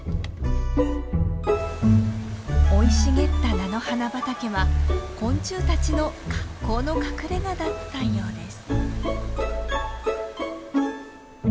生い茂った菜の花畑は昆虫たちの格好の隠れがだったようです。